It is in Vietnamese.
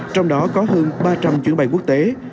trong đó có hơn ba trăm linh chuyến bay quốc tế